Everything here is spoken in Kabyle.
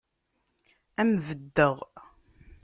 Ad m-beddeɣ.